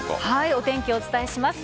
お天気、お伝えします。